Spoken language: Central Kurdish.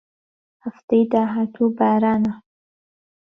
هەفتەی داهاتوو بارانە.